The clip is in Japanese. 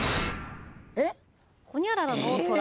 えっ？